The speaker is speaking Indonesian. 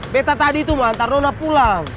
beta tadi tuh mau antar nona pulang